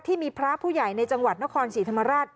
ที่มีพระผู้ใหญ่ในจังหวัดนครศรีธรรมราช